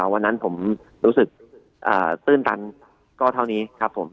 วันนั้นผมรู้สึกตื้นตันก็เท่านี้ครับผม